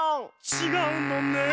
ちがうのねえ。